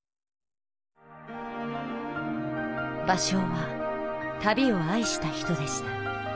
芭蕉は旅をあいした人でした。